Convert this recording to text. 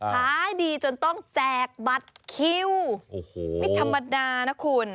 ขายดีจนต้องแจกบัตรคิวโอ้โหไม่ธรรมดานะคุณ